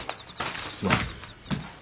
すまん。